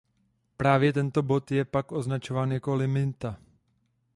Právě tento bod je pak označován jako limita.